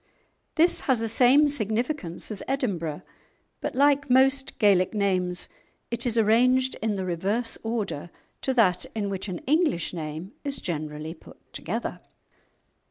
This has the same signification as Edinburgh, but, like most Gaelic names, it is arranged in the reverse order to that in which an English name is generally put together.